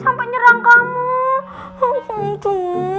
sampai nyerang kamu